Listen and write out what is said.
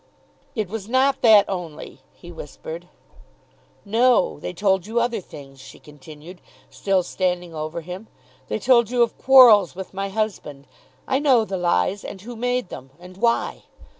"It was not that only," he whispered. "No; they told you other things," she continued, still standing over him. "They told you of quarrels with my husband. I know the lies, and who made them, and why.